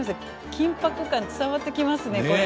緊迫感伝わってきますねこれ。